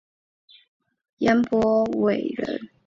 颜伯玮人。